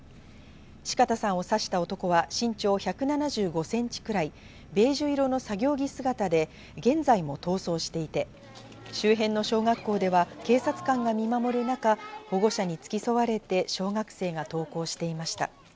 四方さんを刺した男は身長１７５センチくらいベージュ色の作業着姿で現在も逃走していて周辺の小学校では警察官が見守る中、保護者につき添われて小学生が登校していました。